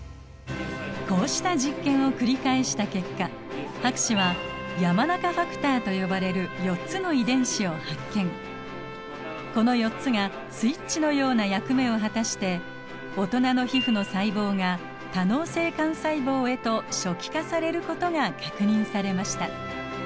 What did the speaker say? こうした実験を繰り返した結果博士はこの４つがスイッチのような役目を果たして大人の皮膚の細胞が多能性幹細胞へと初期化されることが確認されました。